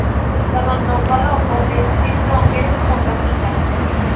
La malnova loko estis longe forlasita.